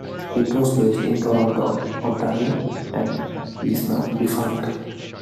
It was based in Toronto, Ontario, and is now defunct.